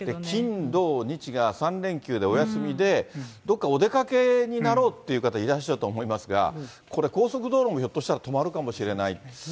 金、土、日が３連休でお休みで、どこかお出かけになろうっていう方、いらっしゃると思いますが、これ、高速道路もひょっとしたら止まるかもしれない。